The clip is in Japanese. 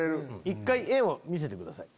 一回画を見せてください